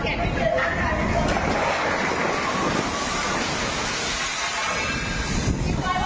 ขึ้นไปตรงก้นมา